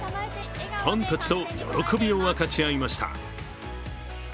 ファンたちと喜びを分かち合いました。